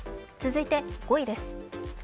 続いて、５位です。